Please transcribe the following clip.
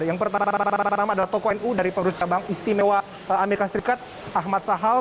yang pertama adalah toko nu dari pemurus sabang istimewa amerika serikat ahmad sahal